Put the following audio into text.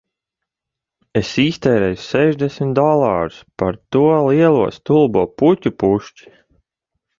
Es iztērēju sešdesmit dolārus par to lielo stulbo puķu pušķi